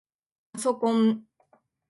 パソコン